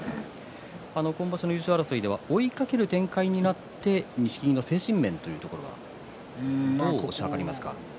今場所の優勝争いでは追いかける展開になって錦木の精神面というところはどう推し量りますか？